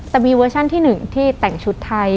แต่มีเวอร์ชันที่๑ที่แต่งชุดไทย